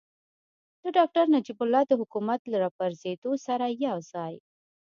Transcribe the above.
د ډاکتر نجیب الله د حکومت له راپرځېدو سره یوځای.